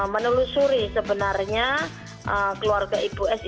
menelusuri sebenarnya keluarga ibu s ini